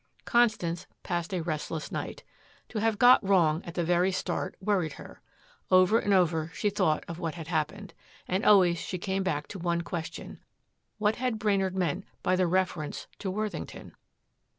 Constance passed a restless night. To have got wrong at the very start worried her. Over and over she thought of what had happened. And always she came back to one question. What had Brainard meant by that reference to Worthington?